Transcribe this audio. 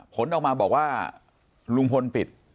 ผลออกมาบอกว่าลุงพลปิด